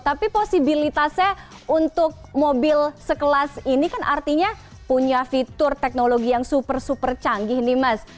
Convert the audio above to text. tapi posibilitasnya untuk mobil sekelas ini kan artinya punya fitur teknologi yang super super canggih nih mas